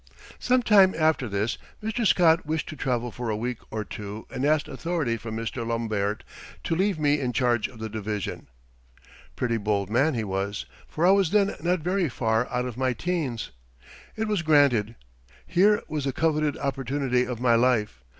Some time after this Mr. Scott wished to travel for a week or two and asked authority from Mr. Lombaert to leave me in charge of the division. Pretty bold man he was, for I was then not very far out of my teens. It was granted. Here was the coveted opportunity of my life.